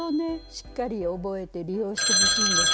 しっかり覚えて利用してほしいんです。